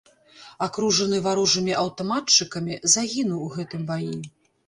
Акружаны варожымі аўтаматчыкамі, загінуў у гэтым баі.